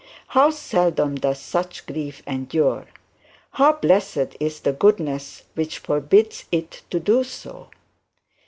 How seldom does such grief endure! How blessed is the goodness which forbids it to do so!